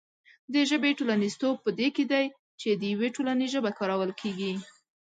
د ژبې ټولنیزتوب په دې کې دی چې د یوې ټولنې ژبه کارول کېږي.